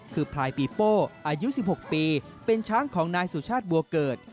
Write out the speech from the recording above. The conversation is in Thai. คือพลายปีโป้อายุ๑๖ปีเป็นช้างของนายสุชาติบัวเกิด